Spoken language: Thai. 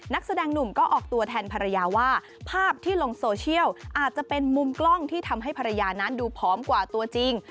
นักแสดงหนุ่มก็ออกตัวแทนภรรยาว่าภาพที่ลงโซเชียลอาจจะเป็นมุมกล้องที่ทำให้ภรรยานั้นดูผอมกว่าตัวจริง